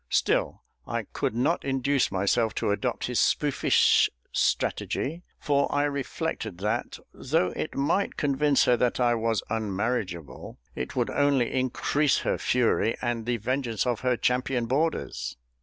Still, I could not induce myself to adopt his spoofish strategy, for I reflected that, though it might convince her that I was unmarriageable, it would only increase her fury and the vengeance of her champion boarders.